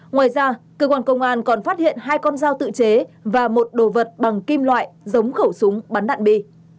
ngoài ra cơ quan công an còn phát hiện hai con dao tự chế và một đồ vật bằng kim loại giống khẩu súng bắn đạn bi